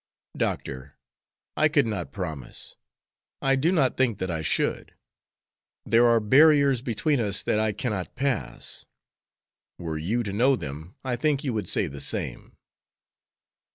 "Doctor, I could not promise. I do not think that I should. There are barriers between us that I cannot pass. Were you to know them I think you would say the same."